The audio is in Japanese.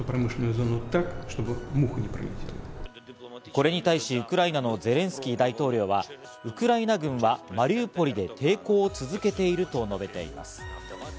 これに対し、ウクライナのゼレンスキー大統領はウクライナ軍はマリウポリで抵抗を続けていると述べています。